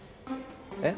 えっ？